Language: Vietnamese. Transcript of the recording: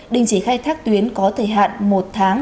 đình chỉ khai thác tuyến có thời hạn một tháng